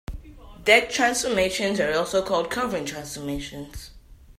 Deck transformations are also called covering transformations.